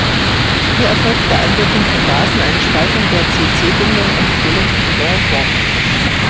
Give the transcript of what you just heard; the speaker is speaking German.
Hier erfolgt bei Einwirkung von Basen eine Spaltung der C-C-Bindung unter Bildung von Chloroform.